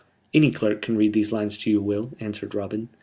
"Any clerk can read these lines to you, Will," answered Robin.